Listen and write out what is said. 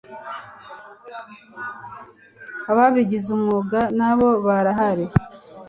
Ababigize umwuga nabo barahari